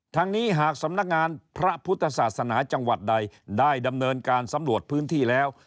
ทั้งนี้หากสำนักงานพระพุทธศาสนาจังหวัดใดได้ดำเนินการสำรวจพื้นที่แล้ว